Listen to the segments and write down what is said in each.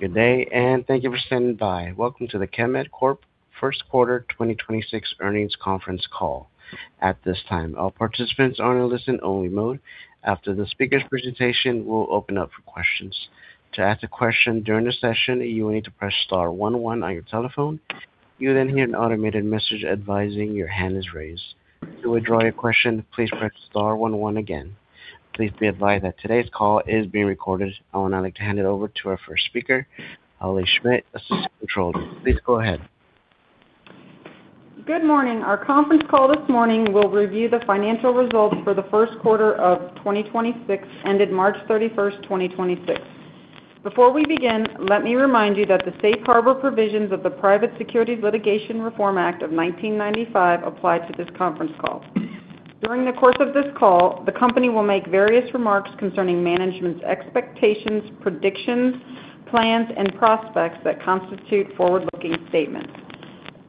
Good day, and thank you for standing by. Welcome to the Chemed Corp First Quarter 2026 Earnings Conference Call. At this time, all participants are in a listen only mode. After the speakers' presentation, we'll open up for questions. To ask a question during the session, you will need to press star one one on your telephone. You'll then hear an automated message advising your hand is raised. To withdraw your question, please press star one one again. Please be advised that today's call is being recorded. I would now like to hand it over to our first speaker, Holley Schmidt, Assistant Controller. Please go ahead. Good morning. Our conference call this morning will review the financial results for the first quarter of 2026, ended March 31st, 2026. Before we begin, let me remind you that the safe harbor provisions of the Private Securities Litigation Reform Act of 1995 apply to this conference call. During the course of this call, the company will make various remarks concerning management's expectations, predictions, plans, and prospects that constitute forward-looking statements.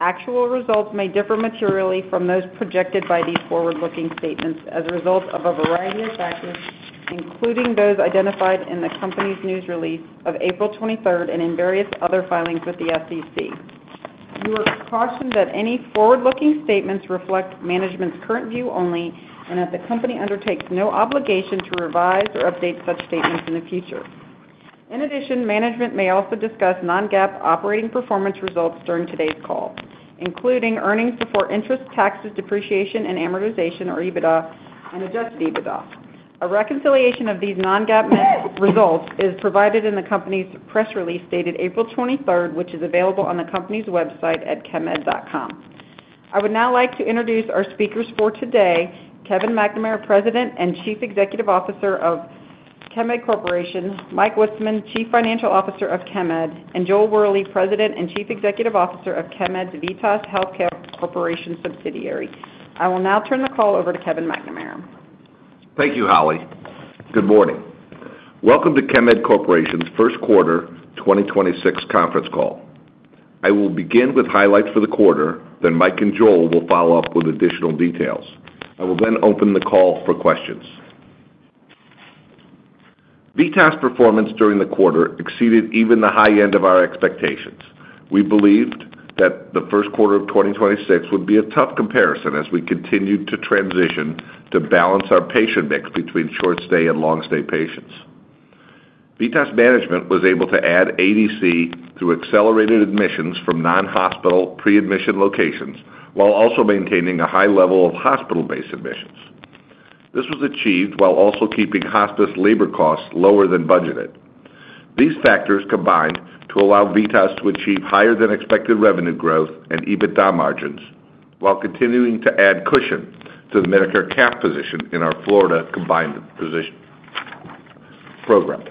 Actual results may differ materially from those projected by these forward-looking statements as a result of a variety of factors, including those identified in the company's news release of April 23rd, and in various other filings with the SEC. You are cautioned that any forward-looking statements reflect management's current view only and that the company undertakes no obligation to revise or update such statements in the future. In addition, management may also discuss non-GAAP operating performance results during today's call, including earnings before interest, taxes, depreciation, and amortization, or EBITDA and adjusted EBITDA. A reconciliation of these non-GAAP results is provided in the company's press release dated April 23rd, which is available on the company's website at chemed.com. I would now like to introduce our speakers for today, Kevin McNamara, President and Chief Executive Officer of Chemed Corporation, Mike Witzeman, Chief Financial Officer of Chemed, and Joel Wherley, President and Chief Executive Officer of Chemed's VITAS Healthcare Corporation subsidiary. I will now turn the call over to Kevin McNamara. Thank you, Holley. Good morning. Welcome to Chemed Corporation's first quarter 2026 conference call. I will begin with highlights for the quarter, then Mike and Joel will follow up with additional details. I will then open the call for questions. VITAS performance during the quarter exceeded even the high end of our expectations. We believed that the first quarter of 2026 would be a tough comparison as we continued to transition to balance our patient mix between short stay and long stay patients. VITAS management was able to add ADC through accelerated admissions from non-hospital pre-admission locations, while also maintaining a high level of hospital-based admissions. This was achieved while also keeping hospice labor costs lower than budgeted. These factors combined to allow VITAS to achieve higher than expected revenue growth and EBITDA margins while continuing to add cushion to the Medicare cap position in our Florida combined position program.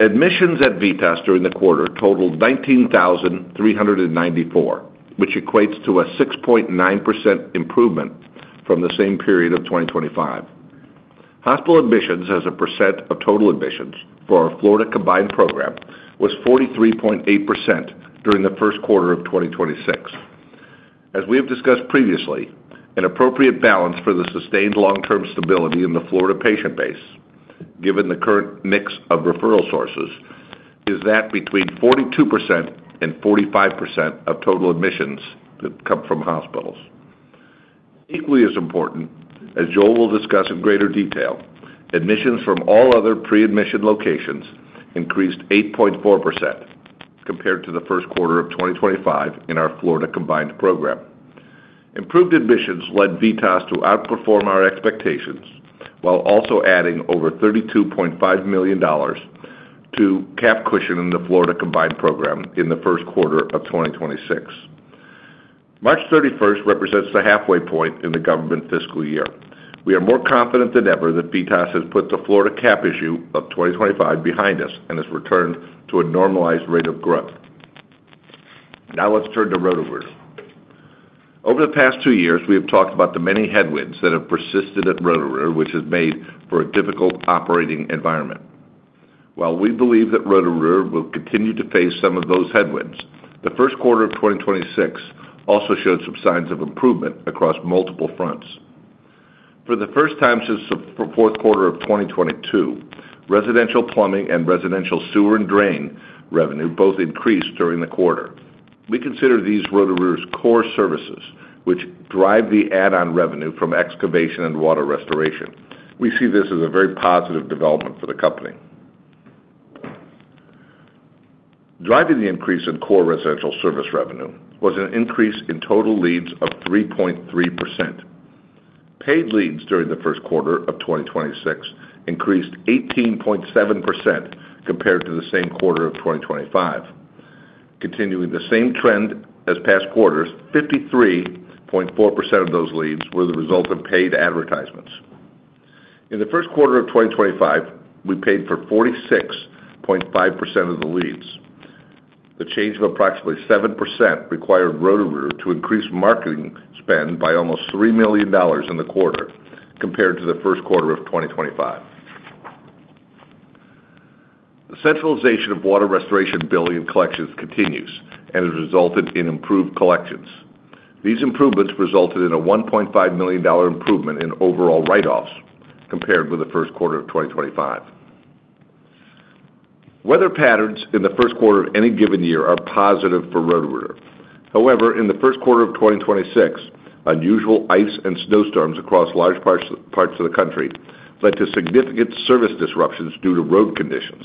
Admissions at VITAS during the quarter totaled 19,394, which equates to a 6.9% improvement from the same period of 2025. Hospital admissions as a percent of total admissions for our Florida combined program was 43.8% during the first quarter of 2026. As we have discussed previously, an appropriate balance for the sustained long-term stability in the Florida patient base, given the current mix of referral sources, is that between 42% and 45% of total admissions that come from hospitals. Equally as important, as Joel will discuss in greater detail, admissions from all other pre-admission locations increased 8.4% compared to the first quarter of 2025 in our Florida combined program. Improved admissions led VITAS to outperform our expectations while also adding over $32.5 million to cap cushion in the Florida combined program in the first quarter of 2026. March 31st represents the halfway point in the government fiscal year. We are more confident than ever that VITAS has put the Florida cap issue of 2025 behind us and has returned to a normalized rate of growth. Now let's turn to Roto-Rooter. Over the past two years, we have talked about the many headwinds that have persisted at Roto-Rooter, which has made for a difficult operating environment. While we believe that Roto-Rooter will continue to face some of those headwinds, the first quarter of 2026 also showed some signs of improvement across multiple fronts. For the first time since the fourth quarter of 2022, residential plumbing and residential sewer and drain revenue both increased during the quarter. We consider these Roto-Rooter's core services, which drive the add-on revenue from excavation and water restoration. We see this as a very positive development for the company. Driving the increase in core residential service revenue was an increase in total leads of 3.3%. Paid leads during the first quarter of 2026 increased 18.7% compared to the same quarter of 2025. Continuing the same trend as past quarters, 53.4% of those leads were the result of paid advertisements. In the first quarter of 2025, we paid for 46.5% of the leads. The change of approximately 7% required Roto-Rooter to increase marketing spend by almost $3 million in the quarter, compared to the first quarter of 2025. The centralization of water restoration billing and collections continues and has resulted in improved collections. These improvements resulted in a $1.5 million improvement in overall write-offs compared with the first quarter of 2025. Weather patterns in the first quarter of any given year are positive for Roto-Rooter. However, in the first quarter of 2026, unusual ice and snowstorms across large parts of the country led to significant service disruptions due to road conditions.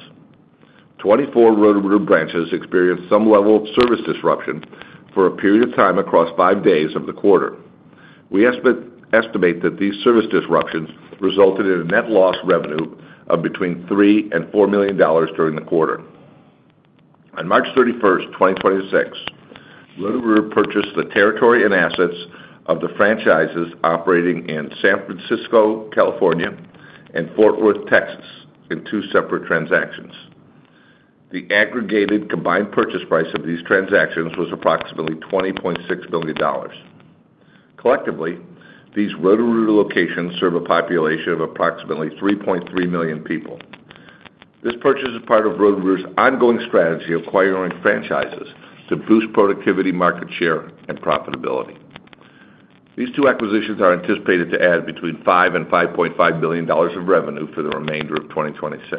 24 Roto-Rooter branches experienced some level of service disruption for a period of time across five days of the quarter. We estimate that these service disruptions resulted in a net lost revenue of between $3 million and $4 million during the quarter. On March 31st, 2026, Roto-Rooter purchased the territory and assets of the franchises operating in San Francisco, California, and Fort Worth, Texas, in two separate transactions. The aggregated combined purchase price of these transactions was approximately $20.6 million. Collectively, these Roto-Rooter locations serve a population of approximately 3.3 million people. This purchase is part of Roto-Rooter's ongoing strategy of acquiring franchises to boost productivity, market share, and profitability. These two acquisitions are anticipated to add between $5 million and $5.5 million of revenue for the remainder of 2026.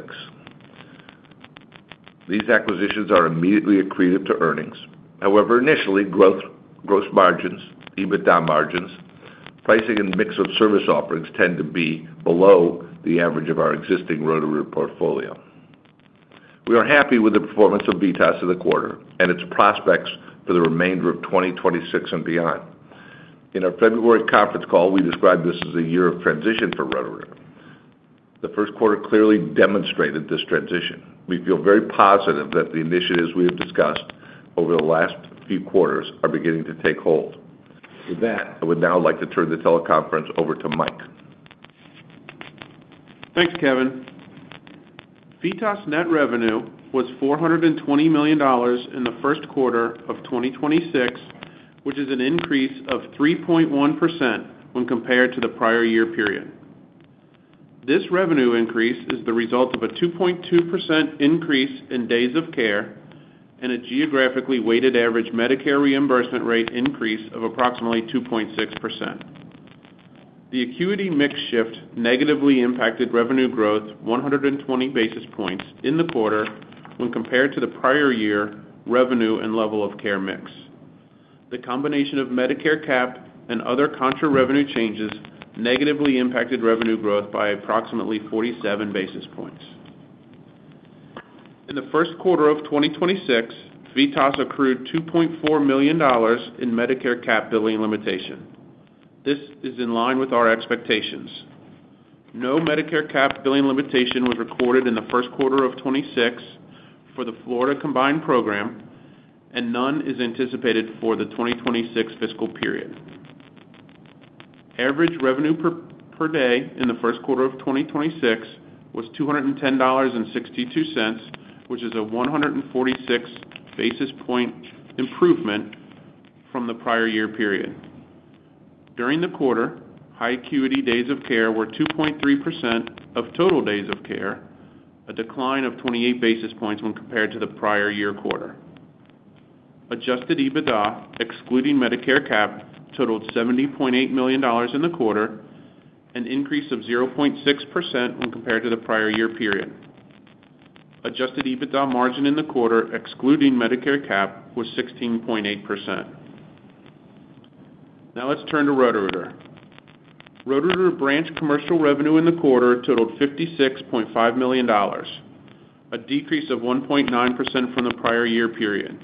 These acquisitions are immediately accretive to earnings. However, initially, growth, gross margins, EBITDA margins, pricing, and mix of service offerings tend to be below the average of our existing Roto-Rooter portfolio. We are happy with the performance of VITAS in the quarter and its prospects for the remainder of 2026 and beyond. In our February conference call, we described this as a year of transition for Roto-Rooter. The first quarter clearly demonstrated this transition. We feel very positive that the initiatives we have discussed over the last few quarters are beginning to take hold. With that, I would now like to turn the teleconference over to Mike. Thanks, Kevin. VITAS net revenue was $420 million in the first quarter of 2026, which is an increase of 3.1% when compared to the prior-year period. This revenue increase is the result of a 2.2% increase in days of care and a geographically weighted average Medicare reimbursement rate increase of approximately 2.6%. The acuity mix shift negatively impacted revenue growth 120 basis points in the quarter when compared to the prior-year revenue and level of care mix. The combination of Medicare cap and other contra revenue changes negatively impacted revenue growth by approximately 47 basis points. In the first quarter of 2026, VITAS accrued $2.4 million in Medicare cap billing limitation. This is in line with our expectations. No Medicare cap billing limitation was recorded in the first quarter of 2026 for the Florida combined program, and none is anticipated for the 2026 fiscal period. Average revenue per day in the first quarter of 2026 was $210.62, which is a 146 basis point improvement from the prior-year period. During the quarter, high acuity days of care were 2.3% of total days of care, a decline of 28 basis points when compared to the prior-year quarter. Adjusted EBITDA, excluding Medicare cap, totaled $70.8 million in the quarter, an increase of 0.6% when compared to the prior year period. Adjusted EBITDA margin in the quarter, excluding Medicare cap, was 16.8%. Now let's turn to Roto-Rooter. Roto-Rooter branch commercial revenue in the quarter totaled $56.5 million, a decrease of 1.9% from the prior year period.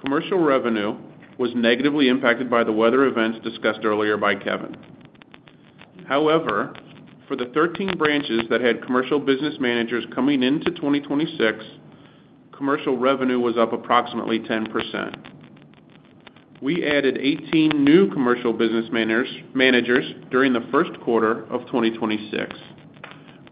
Commercial revenue was negatively impacted by the weather events discussed earlier by Kevin. However, for the 13 branches that had commercial business managers coming into 2026, commercial revenue was up approximately 10%. We added 18 new commercial business managers during the first quarter of 2026.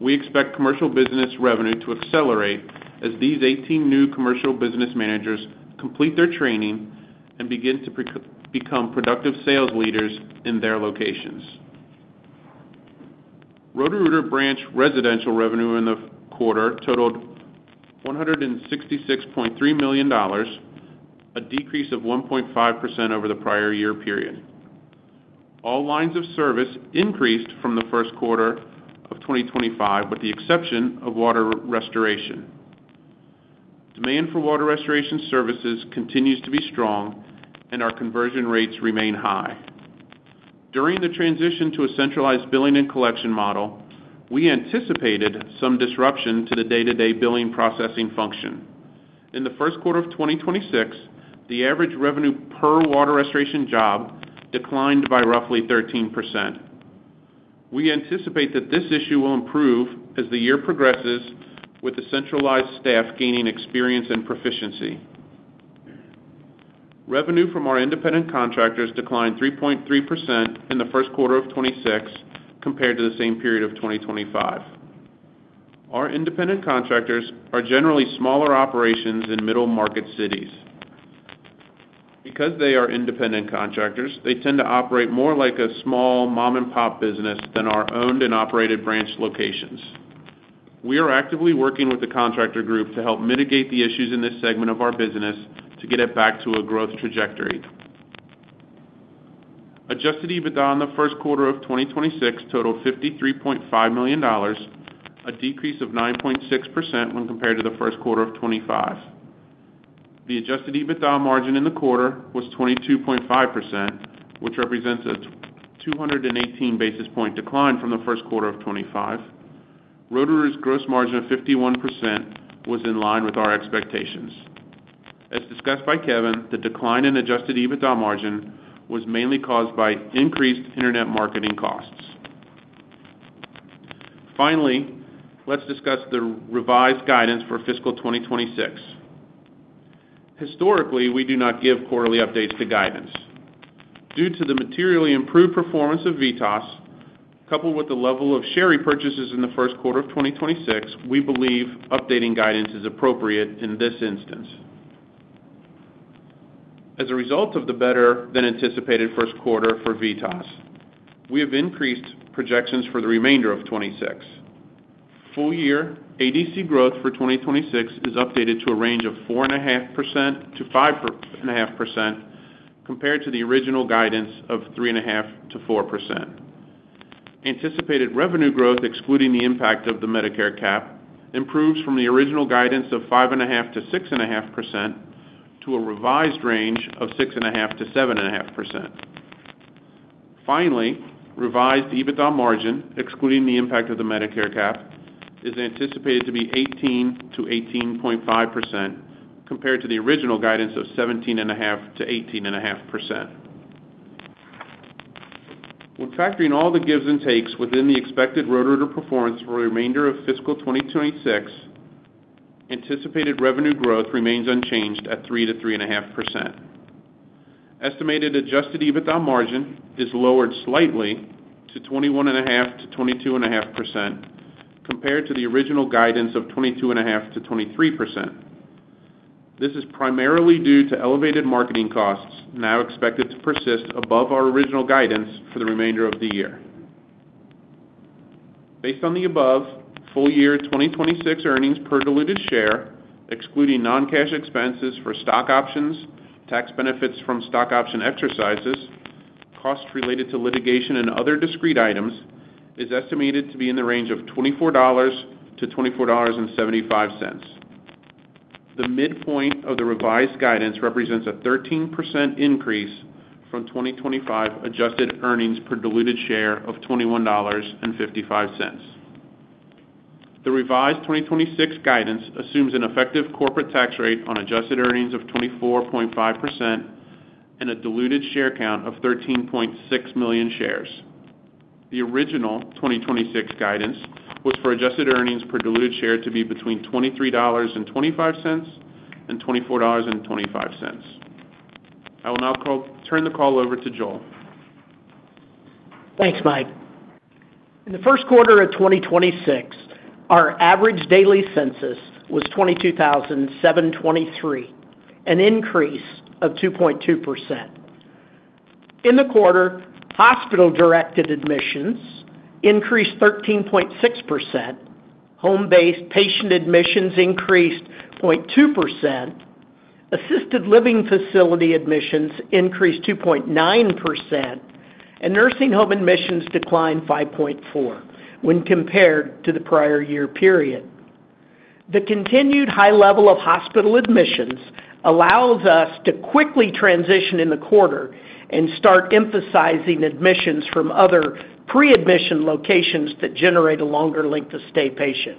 We expect commercial business revenue to accelerate as these 18 new commercial business managers complete their training and begin to become productive sales leaders in their locations. Roto-Rooter branch residential revenue in the quarter totaled $166.3 million, a decrease of 1.5% over the prior year period. All lines of service increased from the first quarter of 2025, with the exception of water restoration. Demand for water restoration services continues to be strong, and our conversion rates remain high. During the transition to a centralized billing and collection model, we anticipated some disruption to the day-to-day billing processing function. In the first quarter of 2026, the average revenue per water restoration job declined by roughly 13%. We anticipate that this issue will improve as the year progresses with the centralized staff gaining experience and proficiency. Revenue from our independent contractors declined 3.3% in the first quarter of 2026 compared to the same period of 2025. Our independent contractors are generally smaller operations in middle-market cities. Because they are independent contractors, they tend to operate more like a small mom-and-pop business than our owned and operated branch locations. We are actively working with the contractor group to help mitigate the issues in this segment of our business to get it back to a growth trajectory. Adjusted EBITDA in the first quarter of 2026 totaled $53.5 million, a decrease of 9.6% when compared to the first quarter of 2025. The adjusted EBITDA margin in the quarter was 22.5%, which represents a 218 basis points decline from the first quarter of 2025. Roto-Rooter's gross margin of 51% was in line with our expectations. As discussed by Kevin, the decline in adjusted EBITDA margin was mainly caused by increased internet marketing costs. Finally, let's discuss the revised guidance for fiscal 2026. Historically, we do not give quarterly updates to guidance. Due to the materially improved performance of VITAS, coupled with the level of share repurchases in the first quarter of 2026, we believe updating guidance is appropriate in this instance. As a result of the better-than-anticipated first quarter for VITAS, we have increased projections for the remainder of 2026. Full-year ADC growth for 2026 is updated to a range of 4.5%-5.5%, compared to the original guidance of 3.5%-4%. Anticipated revenue growth, excluding the impact of the Medicare cap, improves from the original guidance of 5.5%-6.5% to a revised range of 6.5%-7.5%. Finally, revised EBITDA margin, excluding the impact of the Medicare cap, is anticipated to be 18%-18.5%, compared to the original guidance of 17.5%-18.5%. When factoring all the gives and takes within the expected Roto-Rooter performance for the remainder of fiscal 2026, anticipated revenue growth remains unchanged at 3%-3.5%. Estimated adjusted EBITDA margin is lowered slightly to 21.5%-22.5%, compared to the original guidance of 22.5%-23%. This is primarily due to elevated marketing costs now expected to persist above our original guidance for the remainder of the year. Based on the above, full-year 2026 earnings per diluted share, excluding non-cash expenses for stock options, tax benefits from stock option exercises, costs related to litigation, and other discrete items, is estimated to be in the range of $24-$24.75. The midpoint of the revised guidance represents a 13% increase from 2025 adjusted earnings per diluted share of $21.55. The revised 2026 guidance assumes an effective corporate tax rate on adjusted earnings of 24.5% and a diluted share count of 13.6 million shares. The original 2026 guidance was for adjusted earnings per diluted share to be between $23.25 and $24.25. I will now turn the call over to Joel. Thanks, Mike. In the first quarter of 2026, our average daily census was 22,723, an increase of 2.2%. In the quarter, hospital-directed admissions increased 13.6%, home-based patient admissions increased 0.2%, assisted living facility admissions increased 2.9%, and nursing home admissions declined 5.4% when compared to the prior year period. The continued high level of hospital admissions allows us to quickly transition in the quarter and start emphasizing admissions from other pre-admission locations that generate a longer length of stay patient.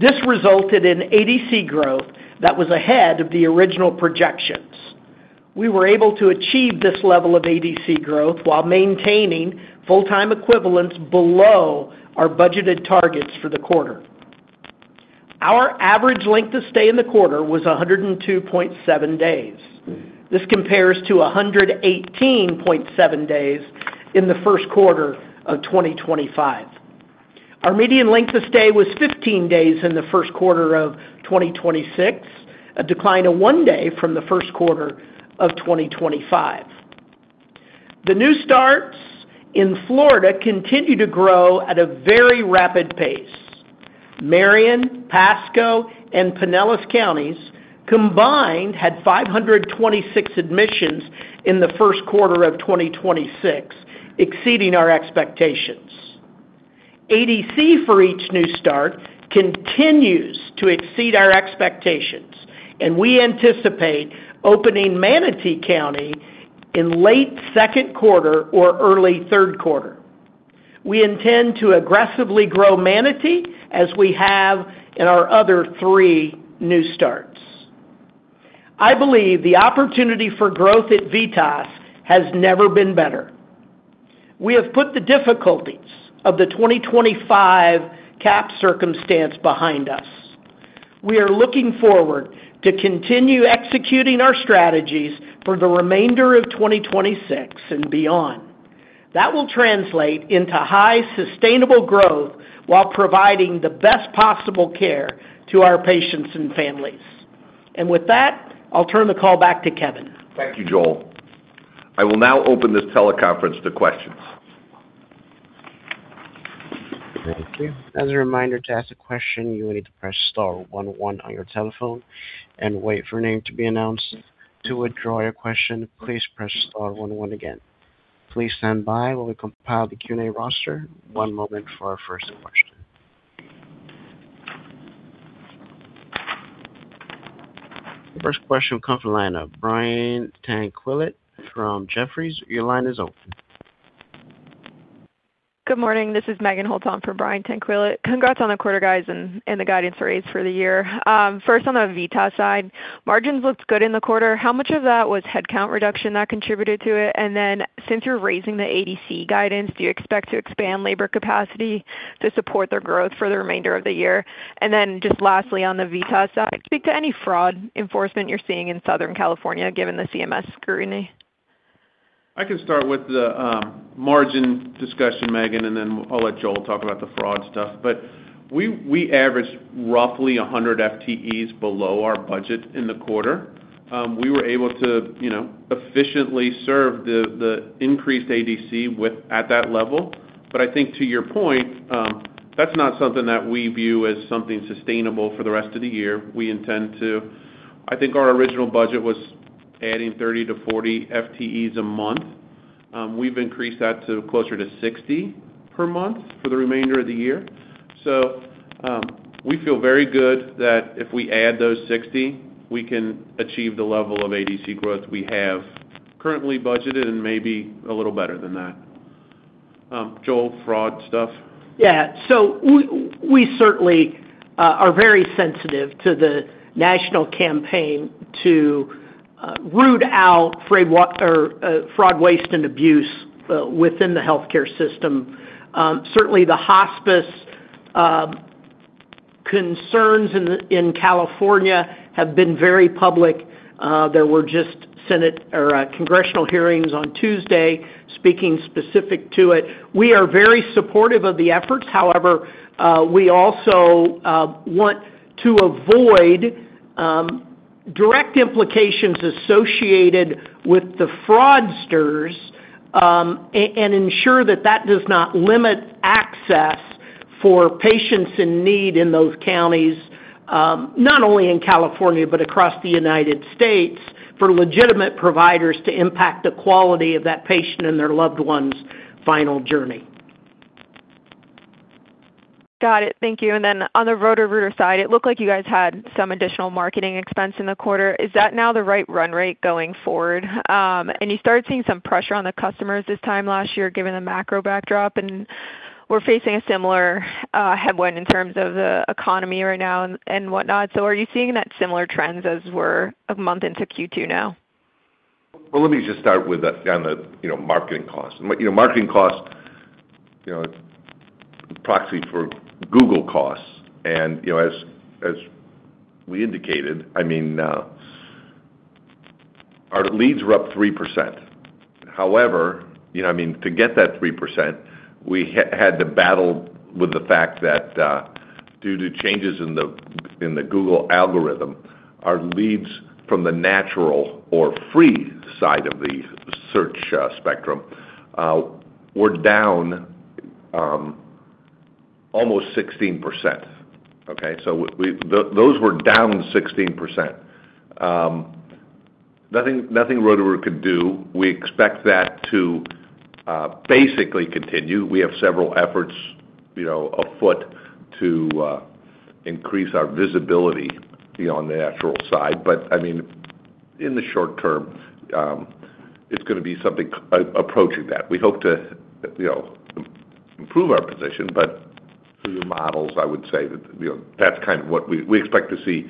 This resulted in ADC growth that was ahead of the original projections. We were able to achieve this level of ADC growth while maintaining full-time equivalents below our budgeted targets for the quarter. Our average length of stay in the quarter was 102.7 days. This compares to 118.7 days in the first quarter of 2025. Our median length of stay was 15 days in the first quarter of 2026, a decline of one day from the first quarter of 2025. The new starts in Florida continue to grow at a very rapid pace. Marion, Pasco, and Pinellas Counties combined had 526 admissions in the first quarter of 2026, exceeding our expectations. ADC for each new start continues to exceed our expectations, and we anticipate opening Manatee County in late second quarter or early third quarter. We intend to aggressively grow Manatee as we have in our other three new starts. I believe the opportunity for growth at VITAS has never been better. We have put the difficulties of the 2025 cap circumstance behind us. We are looking forward to continue executing our strategies for the remainder of 2026 and beyond. That will translate into high, sustainable growth while providing the best possible care to our patients and families. With that, I'll turn the call back to Kevin. Thank you, Joel. I will now open this teleconference to questions. Thank you. As a reminder, to ask a question, you will need to press star one one on your telephone and wait for your name to be announced. To withdraw your question, please press star one one again. Please stand by while we compile the Q&A roster. One moment for our first question. The first question comes from the line of Brian Tanquilut from Jefferies. Your line is open. Good morning. This is Meghan Holtz for Brian Tanquilut. Congrats on the quarter, guys, and the guidance raise for the year. First, on the VITAS side, margins looked good in the quarter. How much of that was headcount reduction that contributed to it? Since you're raising the ADC guidance, do you expect to expand labor capacity to support their growth for the remainder of the year? Just lastly, on the VITAS side, speak to any fraud enforcement you're seeing in Southern California, given the CMS scrutiny. I can start with the margin discussion, Meghan, and then I'll let Joel talk about the fraud stuff. We averaged roughly 100 FTEs below our budget in the quarter. We were able to efficiently serve the increased ADC at that level. I think to your point, that's not something that we view as something sustainable for the rest of the year. I think our original budget was adding 30-40 FTEs a month. We've increased that to closer to 60 per month for the remainder of the year. We feel very good that if we add those 60, we can achieve the level of ADC growth we have currently budgeted, and maybe a little better than that. Joel, fraud stuff? Yeah. We certainly are very sensitive to the national campaign to root out fraud, waste, and abuse within the healthcare system. Certainly, the hospice concerns in California have been very public. There were just Senate or congressional hearings on Tuesday speaking specifically to it. We are very supportive of the efforts. However, we also want to avoid direct implications associated with the fraudsters, and ensure that that does not limit access for patients in need in those counties, not only in California, but across the United States, for legitimate providers to impact the quality of that patient and their loved one's final journey. Got it. Thank you. On the Roto-Rooter side, it looked like you guys had some additional marketing expense in the quarter. Is that now the right run rate going forward? You started seeing some pressure on the customers this time last year, given the macro backdrop, and we're facing a similar headwind in terms of the economy right now and whatnot. Are you seeing that similar trends as we're a month into Q2 now? Well, let me just start with down the marketing costs. Marketing costs, proxy for Google costs. As we indicated, our leads were up 3%. However, to get that 3%, we had to battle with the fact that due to changes in the Google algorithm, our leads from the natural or free side of the search spectrum were down almost 16%. Okay? Those were down 16%. Nothing Roto-Rooter could do. We expect that to basically continue. We have several efforts afoot to increase our visibility on the natural side. In the short term, it's going to be something approaching that. We hope to improve our position, but through the models, I would say that's kind of what we expect to see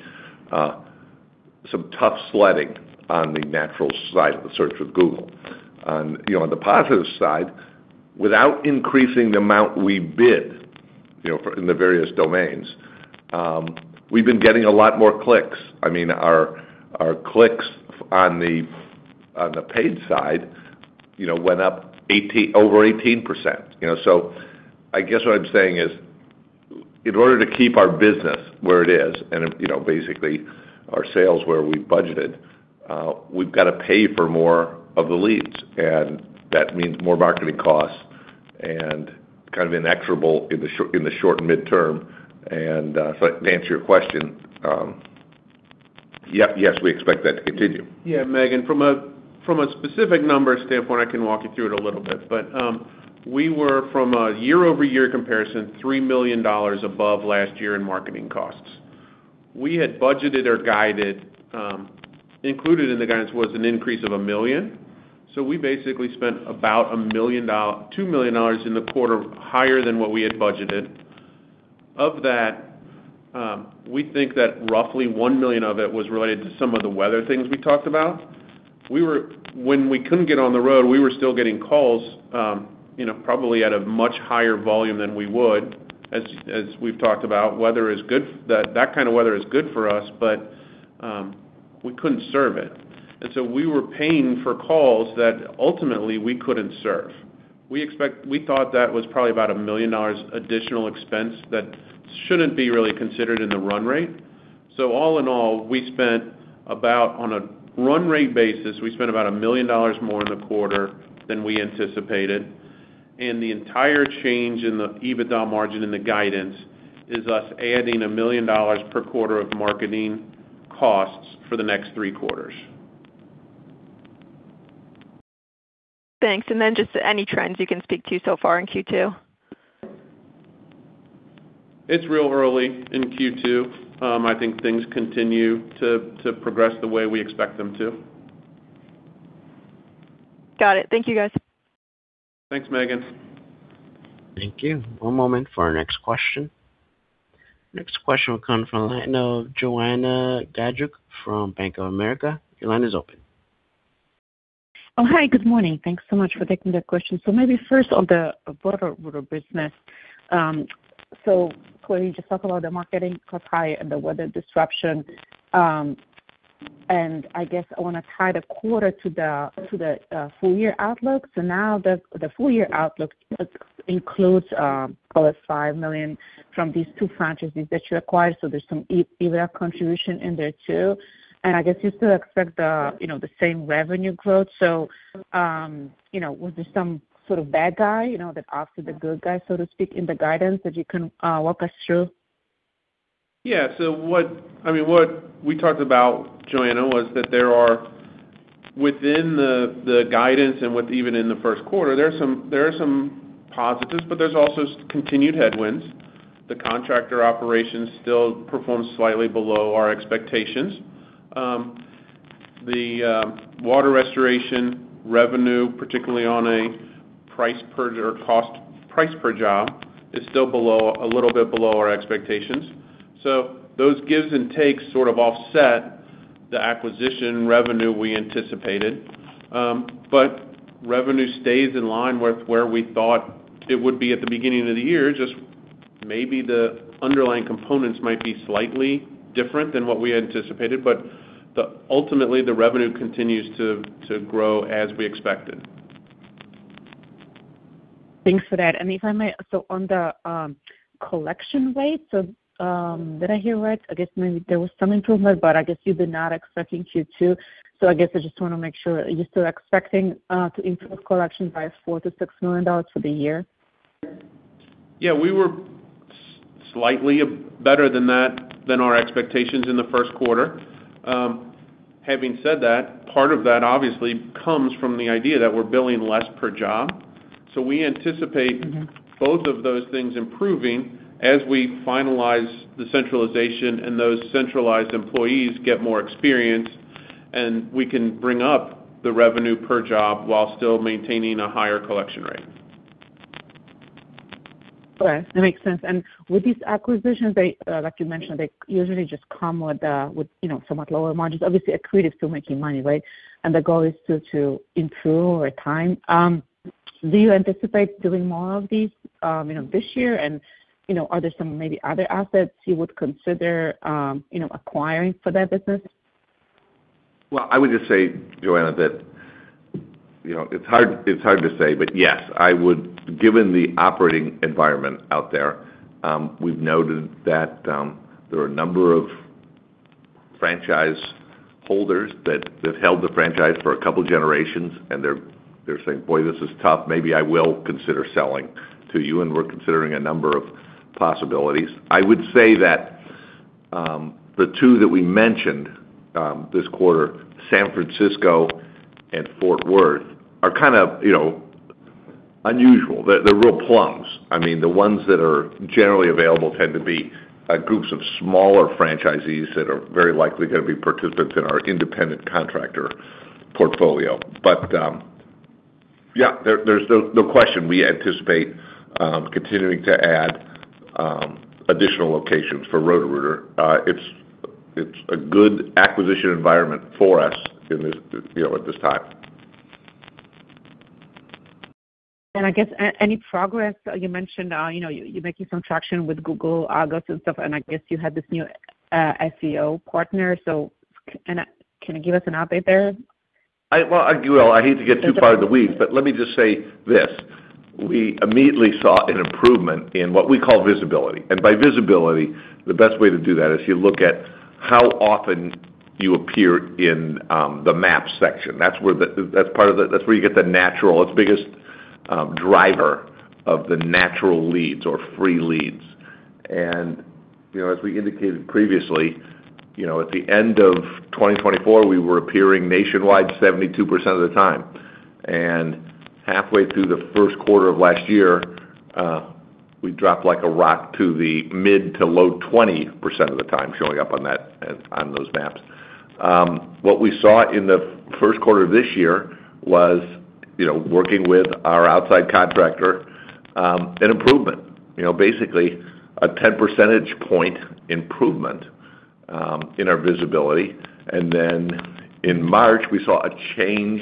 some tough sledding on the natural side of the search with Google. On the positive side, without increasing the amount we bid in the various domains, we've been getting a lot more clicks. Our clicks on the paid side went up over 18%. So I guess what I'm saying is, in order to keep our business where it is and basically our sales where we budgeted, we've got to pay for more of the leads, and that means more marketing costs and kind of inevitable in the short and midterm. To answer your question, yes, we expect that to continue. Yeah, Meghan, from a specific number standpoint, I can walk you through it a little bit. We were, from a year-over-year comparison, $3 million above last year in marketing costs. We had budgeted or guided, included in the guidance was an increase of $1 million. We basically spent about $2 million in the quarter higher than what we had budgeted. Of that, we think that roughly $1 million of it was related to some of the weather things we talked about. When we couldn't get on the road, we were still getting calls probably at a much higher volume than we would, as we've talked about. That kind of weather is good for us, but we couldn't serve it. We were paying for calls that ultimately we couldn't serve. We thought that was probably about $1 million additional expense that shouldn't be really considered in the run rate. All in all, we spent about, on a run rate basis, we spent about $1 million more in the quarter than we anticipated. The entire change in the EBITDA margin in the guidance is us adding $1 million per quarter of marketing costs for the next three quarters. Thanks. Just any trends you can speak to so far in Q2. It's real early in Q2. I think things continue to progress the way we expect them to. Got it. Thank you, guys. Thanks, Meghan. Thank you. One moment for our next question. Next question will come from the line of Joanna Gajuk from Bank of America. Your line is open. Oh, hi. Good morning. Thanks so much for taking the question. Maybe first on the broader Roto-Rooter business. Kevin, you just talked about the marketing cost higher and the weather disruption. I guess I want to tie the quarter to the full year outlook. Now the full year outlook includes, call it $5 million from these two franchises that you acquired. There's some EBITDA contribution in there too. I guess you still expect the same revenue growth. Was there some sort of bad guy that offset the good guy, so to speak, in the guidance that you can walk us through? Yeah. What we talked about, Joanna, was that there are within the guidance and what even in the first quarter, there are some positives, but there's also continued headwinds. The contractor operations still perform slightly below our expectations. The water restoration revenue, particularly on a price per job, is still a little bit below our expectations. Those gives and takes sort of offset the acquisition revenue we anticipated. Revenue stays in line with where we thought it would be at the beginning of the year, just maybe the underlying components might be slightly different than what we anticipated. Ultimately, the revenue continues to grow as we expected. Thanks for that. If I may, so on the collection rate, so, did I hear right? I guess maybe there was some improvement, but I guess you've been not expecting Q2. I guess I just want to make sure, are you still expecting to improve collection by $4 million-$6 million for the year? Yeah. We were slightly better than that than our expectations in the first quarter. Having said that, part of that obviously comes from the idea that we're billing less per job. We anticipate both of those things improving as we finalize the centralization and those centralized employees get more experience, and we can bring up the revenue per job while still maintaining a higher collection rate. All right. That makes sense. With these acquisitions, like you mentioned, they usually just come with somewhat lower margins. Obviously, Accrete is still making money, right? The goal is still to improve over time. Do you anticipate doing more of these this year? Are there some maybe other assets you would consider acquiring for that business? Well, I would just say, Joanna, that it's hard to say, but yes, given the operating environment out there, we've noted that there are a number of franchise holders that held the franchise for a couple of generations, and they're saying, "Boy, this is tough. Maybe I will consider selling to you." We're considering a number of possibilities. I would say that the two that we mentioned, this quarter, San Francisco and Fort Worth, are kind of unusual. They're real plums. The ones that are generally available tend to be groups of smaller franchisees that are very likely going to be participants in our independent contractor portfolio. Yeah, there's no question we anticipate continuing to add additional locations for Roto-Rooter. It's a good acquisition environment for us at this time. I guess any progress, you mentioned you're making some traction with Google Ads and stuff, and I guess you had this new SEO partner, so can you give us an update there? Well, I hate to get too far in the weeds, but let me just say this, we immediately saw an improvement in what we call visibility. By visibility, the best way to do that is you look at how often you appear in the map section. That's where you get the natural. It's the biggest driver of the natural leads or free leads. As we indicated previously, at the end of 2024, we were appearing nationwide 72% of the time. Halfway through the first quarter of last year, we dropped like a rock to the mid- to low-20% of the time showing up on those maps. What we saw in the first quarter of this year was working with our outside contractor, an improvement. Basically, a 10-percentage point improvement in our visibility. Then in March, we saw a change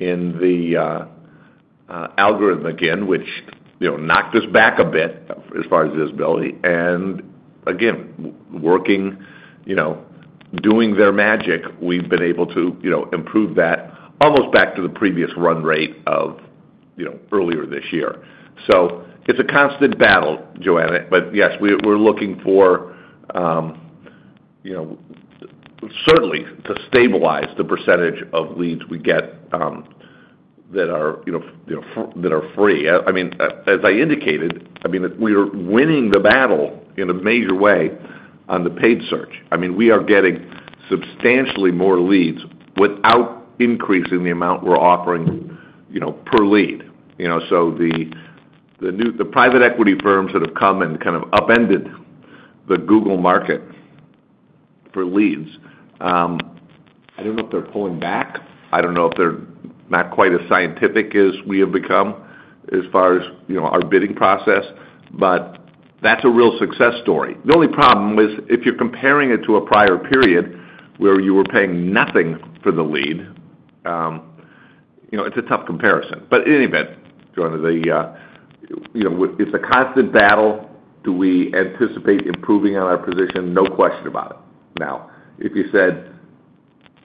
in the algorithm again, which knocked us back a bit as far as visibility. Again, working, doing their magic, we've been able to improve that almost back to the previous run rate of earlier this year. It's a constant battle, Joanna, but yes, we're looking to certainly stabilize the percentage of leads we get that are free. As I indicated, we are winning the battle in a major way on the paid search. We are getting substantially more leads without increasing the amount we're offering per lead. The private equity firms that have come and kind of upended the Google market for leads, I don't know if they're pulling back. I don't know if they're not quite as scientific as we have become as far as our bidding process, but that's a real success story. The only problem is if you're comparing it to a prior period where you were paying nothing for the lead, it's a tough comparison. In any event, Joanna, it's a constant battle. Do we anticipate improving on our position? No question about it. Now, if you said,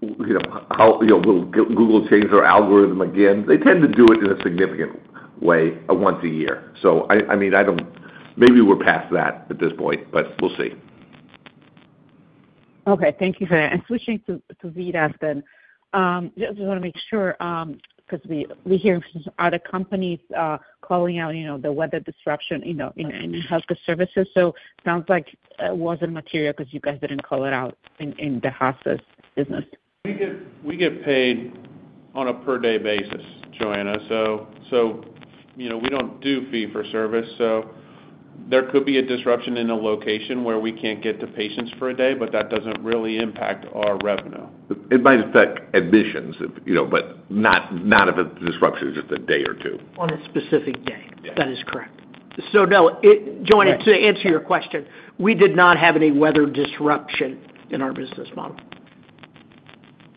will Google change their algorithm again, they tend to do it in a significant way once a year. Maybe we're past that at this point, but we'll see. Okay. Thank you for that. Switching to VITAS then. Just want to make sure, because we hear other companies calling out the weather disruption in hospice services. Sounds like it wasn't material because you guys didn't call it out in the hospice business. We get paid on a per day basis, Joanna. We don't do fee for service. There could be a disruption in a location where we can't get to patients for a day, but that doesn't really impact our revenue. It might affect admissions, but not if a disruption is just a day or two. On a specific day. Yeah. That is correct. No, Joanna, to answer your question, we did not have any weather disruption in our business model.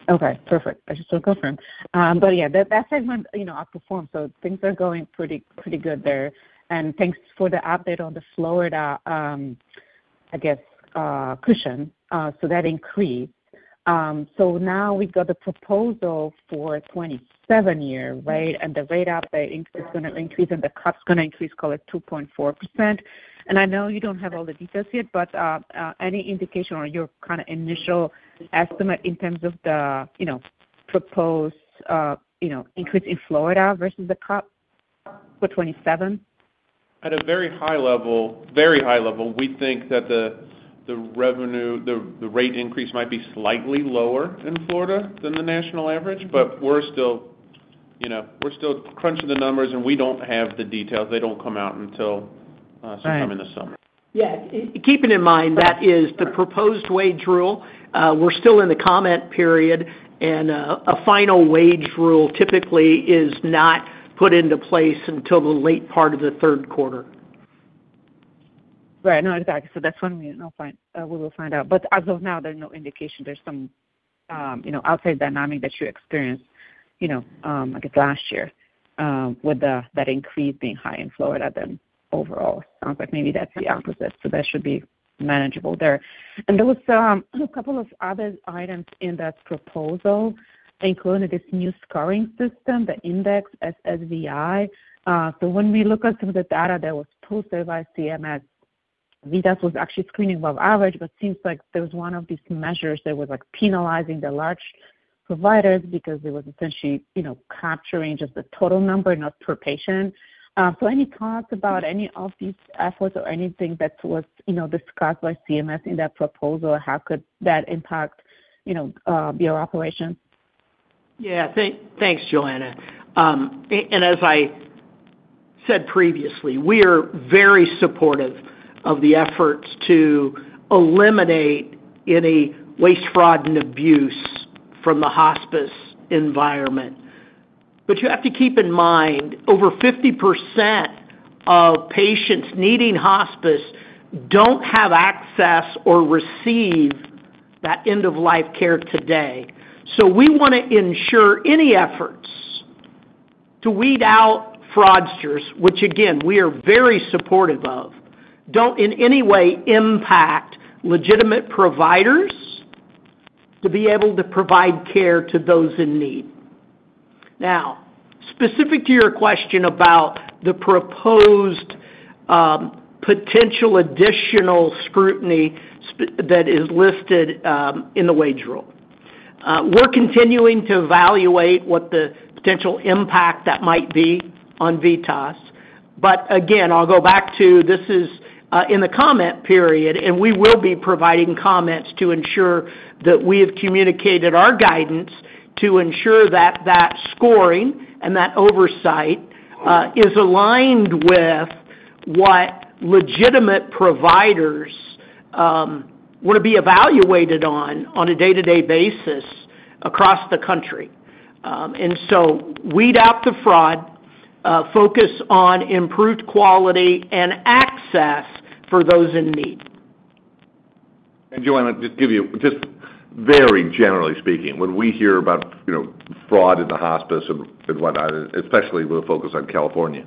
Okay, perfect. I just want to confirm. Yeah, that segment outperformed, so things are going pretty good there. Thanks for the update on the Florida, I guess, cushion. That increased. Now we've got the proposal for 2027 year, right? The rate increase is going to increase and the cut's going to increase, call it 2.4%. I know you don't have all the details yet, but any indication on your kind of initial estimate in terms of the proposed increase in Florida versus the cut for 2027? At a very high level, we think that the rate increase might be slightly lower in Florida than the national average. We're still crunching the numbers and we don't have the details. They don't come out until sometime in the summer. Yeah. Keeping in mind, that is the proposed wage rule. We're still in the comment period, and a final wage rule typically is not put into place until the late part of the third quarter. Right. No, exactly. That's when we will find out. As of now, there's no indication there's some outside dynamic that you experienced, I guess, last year with that increase being higher in Florida than overall. It sounds like maybe that's the opposite. That should be manageable there. There was a couple of other items in that proposal, including this new scoring system, the index SSVI. When we look at some of the data that was posted by CMS, VITAS was actually screening above average, but it seems like there was one of these measures that was penalizing the large providers because it was essentially capturing just the total number, not per patient. Any thoughts about any of these efforts or anything that was discussed by CMS in that proposal, how could that impact your operations? Yeah. Thanks, Joanna. as I said previously, we are very supportive of the efforts to eliminate any waste, fraud, and abuse from the hospice environment. you have to keep in mind, over 50% of patients needing hospice don't have access or receive that end-of-life care today. we want to ensure any efforts to weed out fraudsters, which again, we are very supportive of, don't in any way impact legitimate providers to be able to provide care to those in need. Now, specific to your question about the proposed potential additional scrutiny that is listed in the wage rule. We're continuing to evaluate what the potential impact that might be on VITAS. Again, I'll go back to this is in the comment period, and we will be providing comments to ensure that we have communicated our guidance to ensure that scoring and that oversight is aligned with what legitimate providers want to be evaluated on a day-to-day basis across the country. Weed out the fraud, focus on improved quality and access for those in need. Joanna, just very generally speaking, when we hear about fraud in the hospice and whatnot, especially with a focus on California.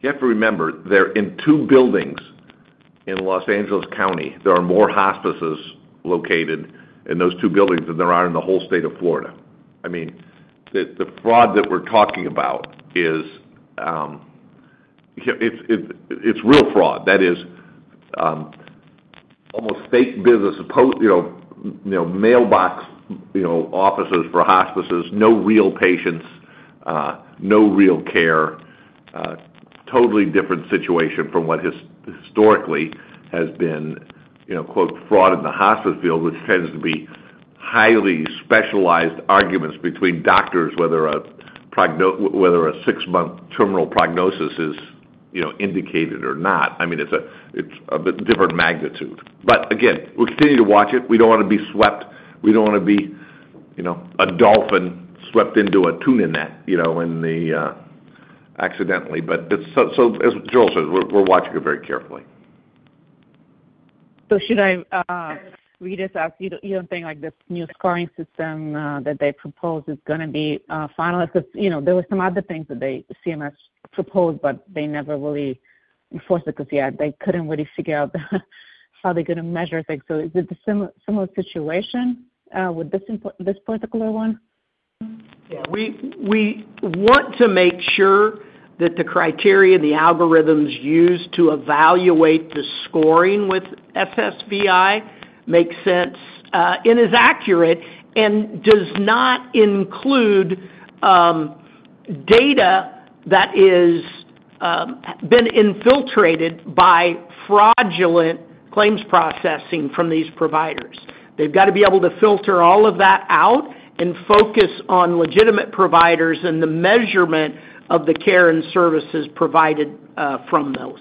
You have to remember, in two buildings in Los Angeles County, there are more hospices located in those two buildings than there are in the whole state of Florida. The fraud that we're talking about, it's real fraud. That is almost fake business. Mailbox offices for hospices, no real patients, no real care. Totally different situation from what historically has been, quote, "fraud in the hospice field," which tends to be highly specialized arguments between doctors, whether a six-month terminal prognosis is indicated or not. It's of a different magnitude. Again, we'll continue to watch it. We don't want to be a dolphin swept into a tuna net accidentally. As Joel says, we're watching it very carefully. Should I read this as you don't think like this new scoring system that they proposed is going to be final? Because there were some other things that the CMS proposed, but they never really enforced it because they couldn't really figure out how they're going to measure things. Is it a similar situation with this particular one? Yeah, we want to make sure that the criteria, the algorithms used to evaluate the scoring with SSVI makes sense and is accurate and does not include data that has been infiltrated by fraudulent claims processing from these providers. They've got to be able to filter all of that out and focus on legitimate providers and the measurement of the care and services provided from those.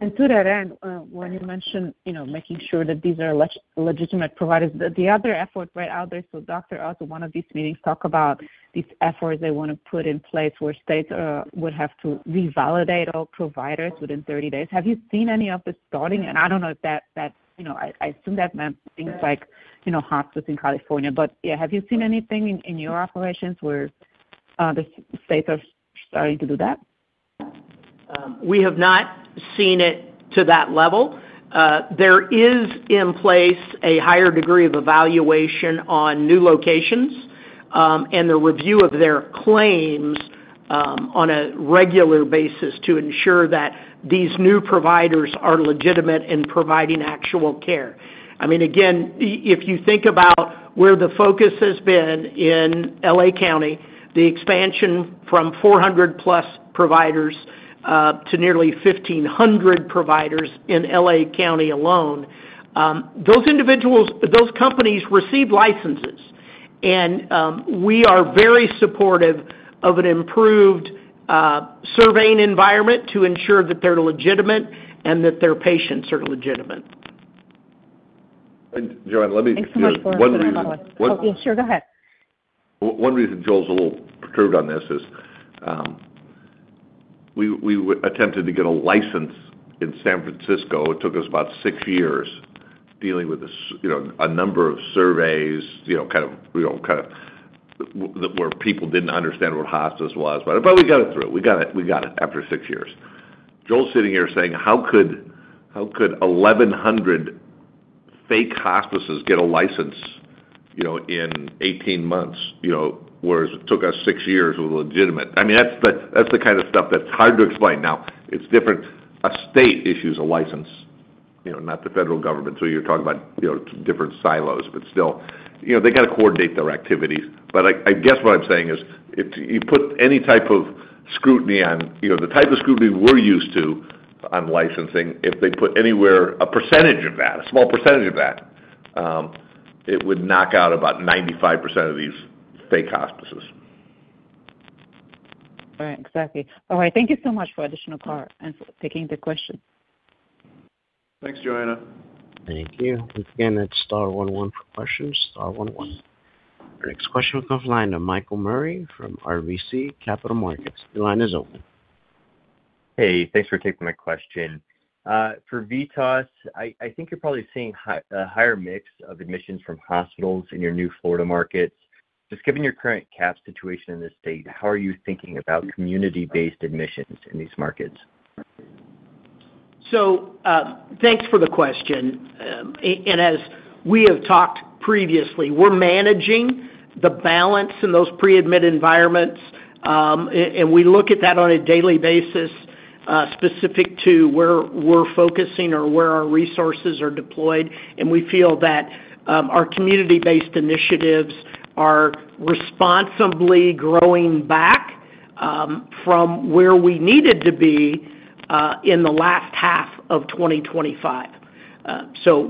To that end, when you mentioned making sure that these are legitimate providers, the other effort right out there, so doctors also one of these meetings talk about these efforts they want to put in place where states would have to revalidate all providers within 30 days. Have you seen any of this starting? I don't know. I assume that meant things like hospice in California. Yeah, have you seen anything in your operations where the states are starting to do that? We have not seen it to that level. There is in place a higher degree of evaluation on new locations, and the review of their claims on a regular basis to ensure that these new providers are legitimate in providing actual care. Again, if you think about where the focus has been in L.A. County, the expansion from 400+ providers to nearly 1,500 providers in L.A. County alone, those companies received licenses. We are very supportive of an improved surveying environment to ensure that they're legitimate and that their patients are legitimate. Joanna, let me just- Thanks so much for One reason Oh, yeah, sure. Go ahead. One reason Joel's a little perturbed on this is, we attempted to get a license in San Francisco. It took us about six years dealing with a number of surveys where people didn't understand what hospice was. We got it through. We got it after six years. Joel's sitting here saying, "How could 1,100 fake hospices get a license in 18 months, whereas it took us six years with a legitimate?" That's the kind of stuff that's hard to explain. Now, it's different. A state issues a license, not the federal government, so you're talking about different silos. Still, they got to coordinate their activities. I guess what I'm saying is, the type of scrutiny we're used to on licensing, if they put anywhere a percentage of that, a small percentage of that, it would knock out about 95% of these fake hospices. All right. Exactly. All right. Thank you so much for additional clarification and taking the question. Thanks, Joanna. Thank you. Once again, that's star one one for questions. Star one one. Our next question comes from the line of Michael Murray from RBC Capital Markets. Your line is open. Hey, thanks for taking my question. For VITAS, I think you're probably seeing a higher mix of admissions from hospitals in your new Florida markets. Just given your current cap situation in the state, how are you thinking about community-based admissions in these markets? Thanks for the question. As we have talked previously, we're managing the balance in those pre-admit environments, and we look at that on a daily basis, specific to where we're focusing or where our resources are deployed. We feel that our community-based initiatives are responsibly growing back from where we needed to be in the last half of 2025.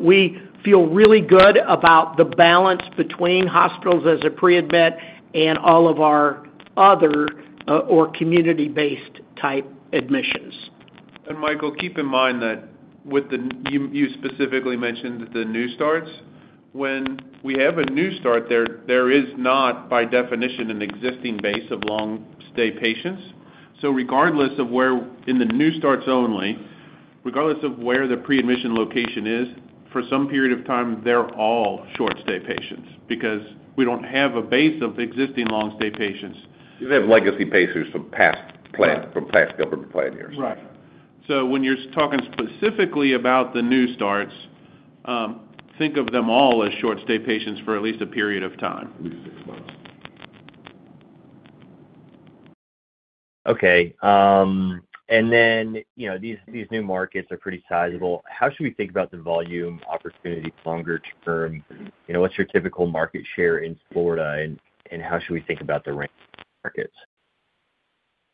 We feel really good about the balance between hospitals as a pre-admit and all of our other or community-based type admissions. Michael, keep in mind that you specifically mentioned the new starts. When we have a new start, there is not, by definition, an existing base of long-stay patients. Regardless of where in the new starts only Regardless of where the pre-admission location is, for some period of time, they're all short-stay patients because we don't have a base of existing long-stay patients. You have legacy patients from past government plan years. Right. When you're talking specifically about the new starts, think of them all as short-stay patients for at least a period of time. At least six months. Okay. These new markets are pretty sizable. How should we think about the volume opportunity longer term? What's your typical market share in Florida, and how should we think about the new markets?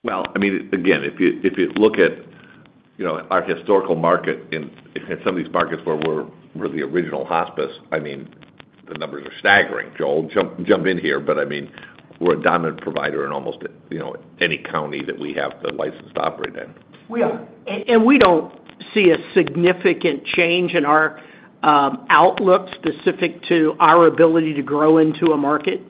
Well, again, if you look at our historical market in some of these markets where we're the original hospice, the numbers are staggering. Joel, jump in here, but we're a dominant provider in almost any county that we have the license to operate in. We are. We don't see a significant change in our outlook specific to our ability to grow into a market.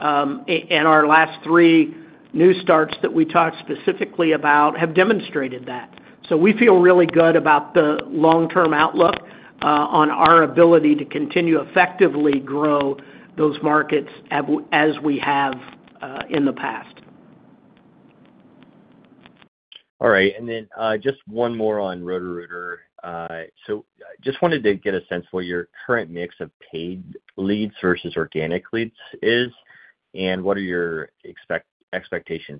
Our last three new starts that we talked specifically about have demonstrated that. We feel really good about the long-term outlook on our ability to continue effectively grow those markets as we have in the past. All right. Just one more on Roto-Rooter. Just wanted to get a sense for your current mix of paid leads versus organic leads is, and what are your expectations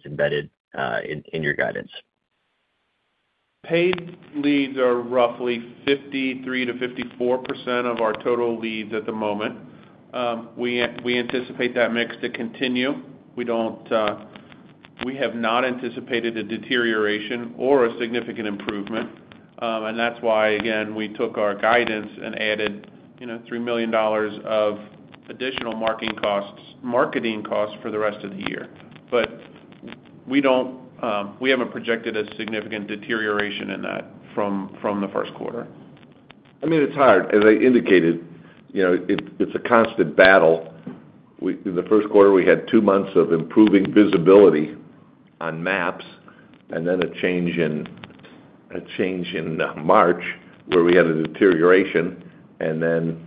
embedded in your guidance? Paid leads are roughly 53%-54% of our total leads at the moment. We anticipate that mix to continue. We have not anticipated a deterioration or a significant improvement. That's why, again, we took our guidance and added $3 million of additional marketing costs for the rest of the year. We haven't projected a significant deterioration in that from the first quarter. It's hard, as I indicated, it's a constant battle. In the first quarter, we had two months of improving visibility on maps, and then a change in March where we had a deterioration, and then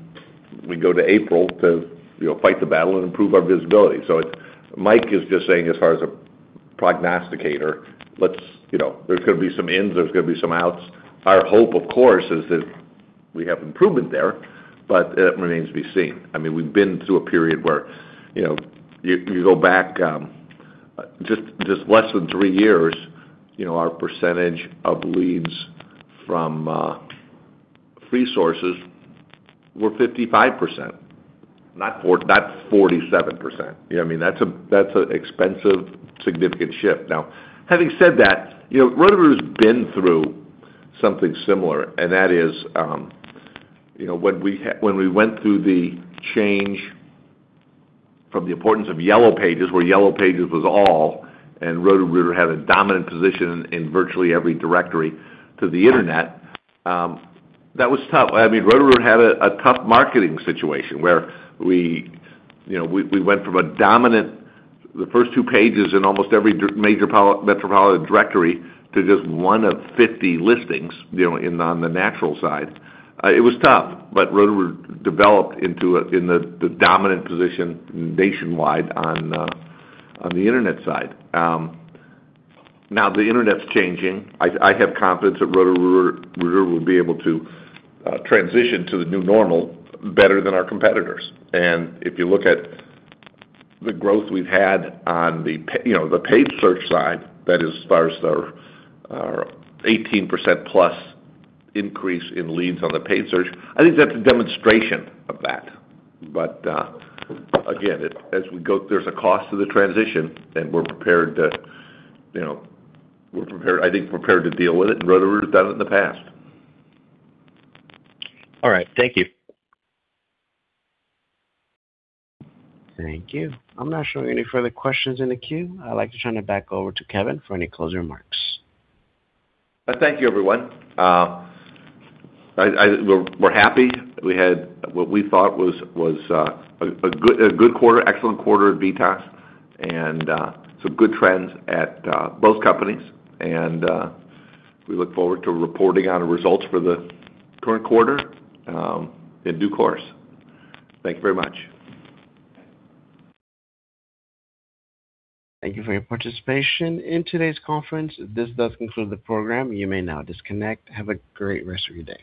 we go to April to fight the battle and improve our visibility. Mike is just saying as far as a prognosticator, there's going to be some ins, there's going to be some outs. Our hope, of course, is that we have improvement there, but it remains to be seen. We've been through a period where you go back just less than three years, our percentage of leads from free sources were 55%, not 47%. You know what I mean? That's an expensive, significant shift. Now, having said that, Roto-Rooter's been through something similar, and that is when we went through the change from the importance of Yellow Pages, where Yellow Pages was all, and Roto-Rooter had a dominant position in virtually every directory to the internet, that was tough. Roto-Rooter had a tough marketing situation where we went from a dominant, the first two pages in almost every major metropolitan directory to just one of 50 listings on the natural side. It was tough, but Roto-Rooter developed into the dominant position nationwide on the internet side. Now the internet's changing. I have confidence that Roto-Rooter will be able to transition to the new normal better than our competitors. If you look at the growth we've had on the paid search side, that is as far as our 18%+ increase in leads on the paid search, I think that's a demonstration of that. Again, there's a cost to the transition and we're prepared, I think, to deal with it, and Roto-Rooter's done it in the past. All right. Thank you. Thank you. I'm not showing any further questions in the queue. I'd like to turn it back over to Kevin for any closing remarks. Thank you, everyone. We're happy that we had what we thought was a good quarter, excellent quarter at VITAS, and some good trends at both companies, and we look forward to reporting on the results for the current quarter in due course. Thank you very much. Thank you for your participation in today's conference. This does conclude the program. You may now disconnect. Have a great rest of your day.